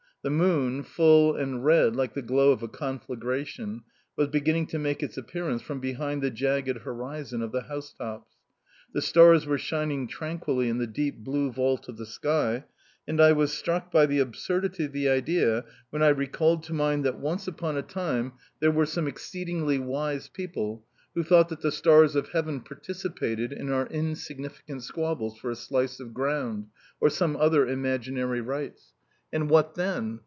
The moon, full and red like the glow of a conflagration, was beginning to make its appearance from behind the jagged horizon of the house tops; the stars were shining tranquilly in the deep, blue vault of the sky; and I was struck by the absurdity of the idea when I recalled to mind that once upon a time there were some exceedingly wise people who thought that the stars of heaven participated in our insignificant squabbles for a slice of ground, or some other imaginary rights. And what then?